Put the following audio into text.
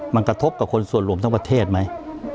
มันกระทบกับคนส่วนรวมทั้งประเทศไหม